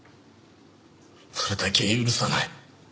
それだけは許さない。